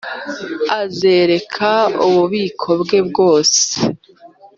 azereka ububiko bwe bwose,